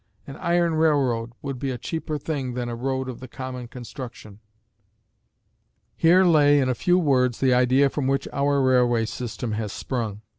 An iron railroad would be a cheaper thing than a road of the common construction." Here lay in a few words the idea from which our railway system has sprung.